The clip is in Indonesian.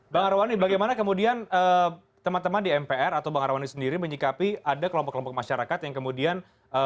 bang arwani bagaimana kemudian teman teman di mpr atau bang arwani sendiri menyikapi ada kelompok kelompok masyarakat yang kemudian